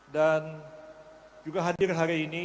dan juga hadir hari ini